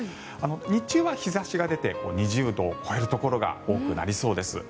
日中は日差しが出て２０度を超えるところが多くなりそうです。